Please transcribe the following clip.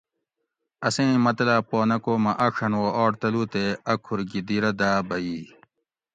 اسیں اِیں مطلاۤب پا نہ کو مہ آڄھن وا آٹ تلو تے اۤ کُھور گھی دی رہ داۤ بھئی